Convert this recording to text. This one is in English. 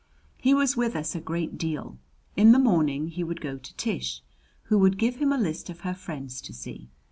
He was with us a great deal. In the morning he would go to Tish, who would give him a list of her friends to see.